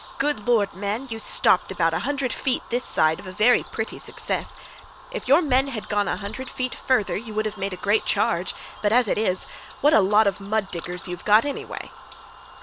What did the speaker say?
Good Lord, man, you stopped about a hundred feet this side of a very pretty success! If your men had gone a hundred feet farther you would have made a great charge, but as it is—what a lot of mud diggers you've got anyway!"